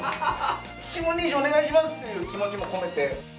指紋認証お願いしますという気持ちも込めて。